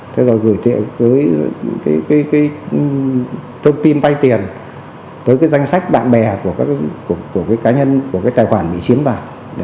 thế rồi gửi tiền thông tin vay tiền tới danh sách bạn bè của các cá nhân của tài khoản bị chiếm bạc